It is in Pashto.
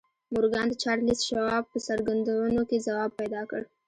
مورګان د چارليس شواب په څرګندونو کې ځواب پيدا کړ.